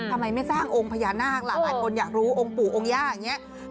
ทำไมไม่สร้างองค์พญานาคล่ะหลายคนอยากรู้องค์ปู่องค์ย่าอย่างนี้